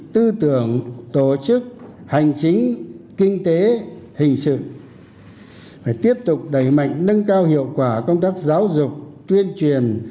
tư tưởng tổ chức hành chính kinh tế hình sự phải tiếp tục đẩy mạnh nâng cao hiệu quả công tác giáo dục tuyên truyền